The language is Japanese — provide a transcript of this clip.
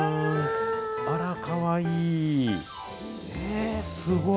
あら、かわいい。